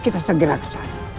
kita segera kesana